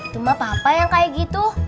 cuma papa yang kayak gitu